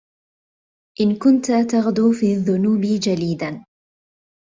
إن كنت تغدو في الذنوب جليداً